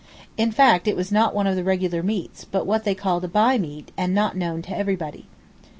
In fact, it was not one of the regular meets, but what they called a by meet, and not known to everybody.